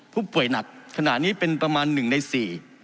ผู้ป่วยหนักขณะนี้เป็นประมาณหนึ่งในสี่